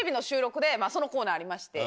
でそのコーナーありまして。